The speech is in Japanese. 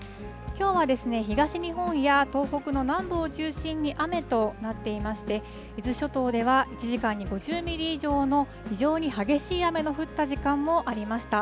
きょうは東日本や東北の南部を中心に雨となっていまして、伊豆諸島では１時間に５０ミリ以上の非常に激しい雨の降った時間もありました。